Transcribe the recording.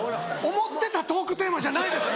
思ってたトークテーマじゃないです。